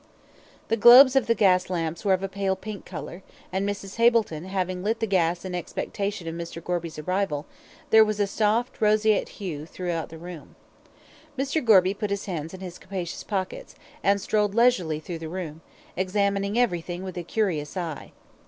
The globes of the gas lamps were of a pale pink colour, and Mrs. Hableton having lit the gas in expectation of Mr. Gorby's arrival, there was a soft roseate hue through the room. Mr. Gorby put his hands in his capacious pockets, and strolled leisurely through the room, examining everything with a curious eye.